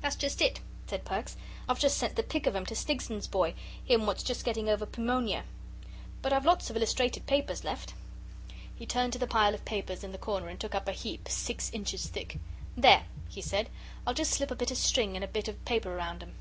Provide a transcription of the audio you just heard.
"That's just it," said Perks. "I've just sent the pick of 'em to Snigson's boy him what's just getting over the pewmonia. But I've lots of illustrated papers left." He turned to the pile of papers in the corner and took up a heap six inches thick. "There!" he said. "I'll just slip a bit of string and a bit of paper round 'em."